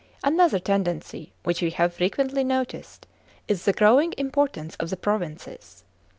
§ 2. (3) Another tendency which we have frequently noticed is the growing importance of the provinces.